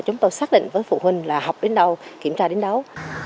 chúng tôi xác định với phụ huynh là học đến đâu kiểm tra đến đâu